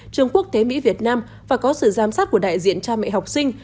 trường quốc tế mỹ việt nam và có sự giám sát của đại diện cha mẹ học sinh